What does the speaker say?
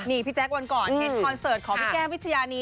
นี่พี่แจ๊ควันก่อนเห็นคอนเสิร์ตของพี่แก้มวิทยานี